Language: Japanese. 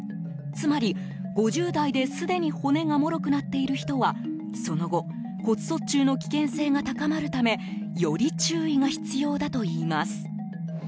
つまり、５０代ですでに骨がもろくなっている人はその後骨卒中の危険性が高まるためより注意が必要だといいます。